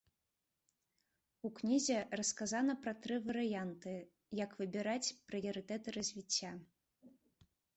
У кнізе расказана пра тры варыянты, як выбіраць прыярытэты развіцця.